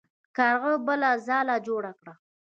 کارغه بله ځاله جوړه کړه.